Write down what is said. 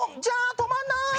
止まんなーい！